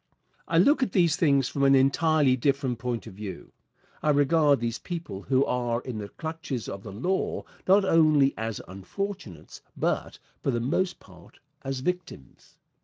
I look at these things from an entirely different point of view. I regard these people who are in the clutches of the law not only as unfortunates, but, for the most part, as victims.